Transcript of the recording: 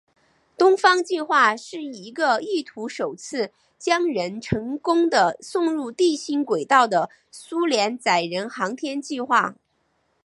东方计划是一个意图首次将人成功地送入地心轨道的苏联载人航天计划。